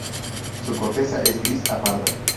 Su corteza es gris a parda.